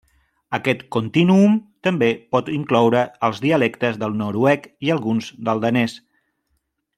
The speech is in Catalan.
Aquest contínuum també pot incloure els dialectes del noruec i alguns del danès.